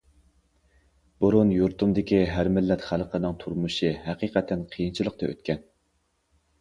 بۇرۇن يۇرتۇمدىكى ھەر مىللەت خەلقنىڭ تۇرمۇشى ھەقىقەتەن قىيىنچىلىقتا ئۆتكەن.